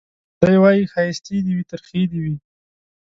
دی وايي ښايستې دي وي ترخې دي وي